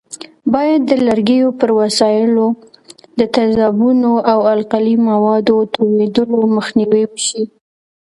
باید د لرګیو پر وسایلو د تیزابونو او القلي موادو توېدلو مخنیوی وشي.